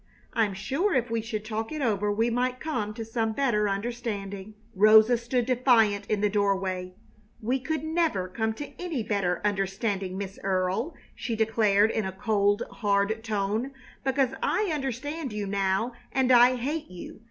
I'm sure if we should talk it over we might come to some better understanding." Rosa stood defiant in the doorway. "We could never come to any better understanding, Miss Earle," she declared in a cold, hard tone, "because I understand you now and I hate you.